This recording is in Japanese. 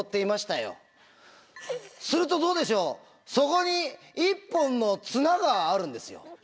するとどうでしょうそこに１本の綱があるんですよ。